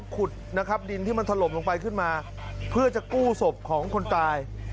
ขุดนะครับดินที่มันถล่มลงไปขึ้นมาเพื่อจะกู้ศพของคนตาย